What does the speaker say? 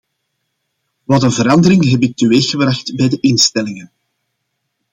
Wat een verandering heb ik teweeggebracht bij de instellingen!